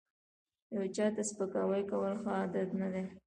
یو چاته سپکاوی کول ښه عادت نه دی